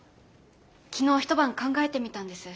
昨日一晩考えてみたんです。